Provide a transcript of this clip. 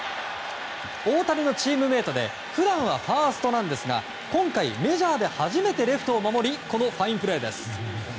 大谷のチームメートで普段はファーストなんですが今回メジャーで初めてレフトを守りこのファインプレーです。